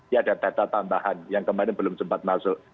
ya ada data tambahan yang kemarin belum sempat masuk